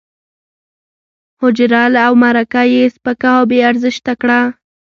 حجره او مرکه یې سپکه او بې ارزښته کړه.